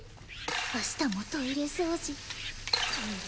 明日もトイレ掃除トイレ